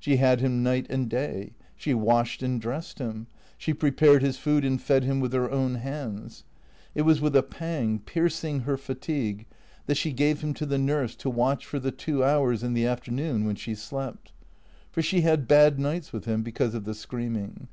She had him night and day. She washed and dressed him; she prepared his food and fed him with her own hands. It was with a pang, piercing her fatigue, that she gave him to the nurse to watch for the two hours in the afternoon when she slept. For she had bad nights with him because of the screaming.